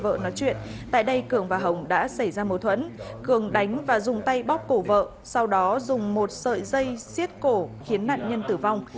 vợ nói chuyện tại đây cường và hồng đã xảy ra mâu thuẫn cường đánh và dùng tay bóp cổ vợ sau đó dùng một sợi dây xiết cổ khiến nạn nhân tử vong